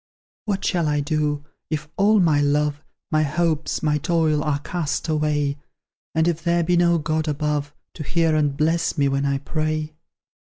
What shall I do, if all my love, My hopes, my toil, are cast away, And if there be no God above, To hear and bless me when I pray?